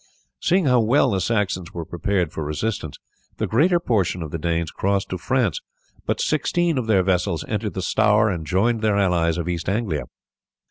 Seeing how well the Saxons were prepared for resistance the greater portion of the Danes crossed to France, but sixteen of their vessels entered the Stour and joined their allies of East Anglia.